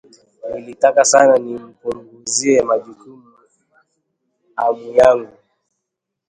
Nilitaka sana nimpunguzie majukumu amu yangu